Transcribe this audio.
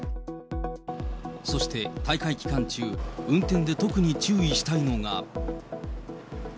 そして大会期間中、運転で特に注意したいのが。